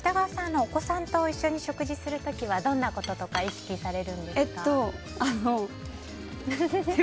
お子さんとお食事される時はどんなことを意識されるんですか。